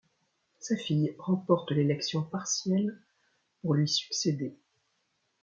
Sa fille remporte l'élection partielle pour lui succéder.